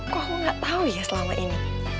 kok kamu gak tau ya selama ini